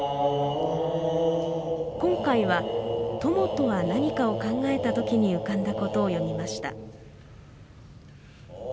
今回は、友とは何かを考えた時に浮かんだことを詠みました。